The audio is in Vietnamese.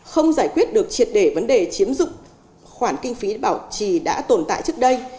không giải quyết được triệt để vấn đề chiếm dụng khoản kinh phí bảo trì đã tồn tại trước đây